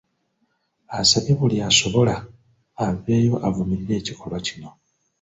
Asabye buli asobola aveeyo avumirire ekikolwa kino.